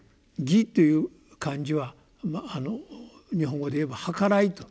「義」という漢字は日本語でいえば「はからい」と。